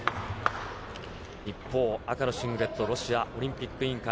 一方、赤のシングレット、ロシアオリンピック委員会。